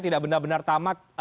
tidak benar benar tamat